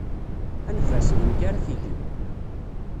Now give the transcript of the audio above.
Anef-as, d nekk ara t-igen.